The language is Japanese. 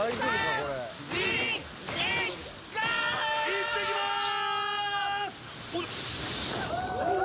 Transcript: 行ってきます！